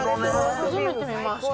初めて見ました。